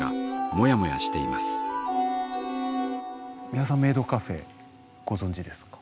美輪さんメイドカフェご存じですか？